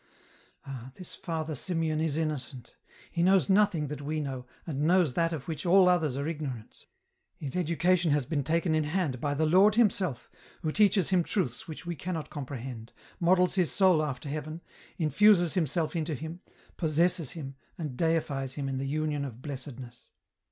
" Ah ! this Father Simeon is innocent ; he knows nothing that we know, and knows that of which all others are ignorant ; his education has been taken in hand by the Lord Himself, who teaches him truths which we cannot comprehend, models his soul after heaven, infuses Himself into him, possesses him, and deifies him in the union of Blessedness.